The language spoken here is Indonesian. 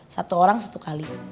satu orang satu kali